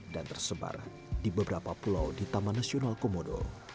dan tersebar di beberapa pulau di taman nasional komodo